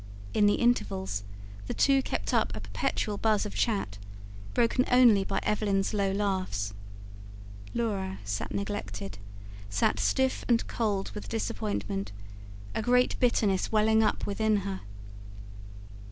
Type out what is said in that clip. In the intervals, the two kept up a perpetual buzz of chat, broken only by Evelyn's low laughs. Laura sat neglected, sat stiff and cold with disappointment, a great bitterness welling up within her.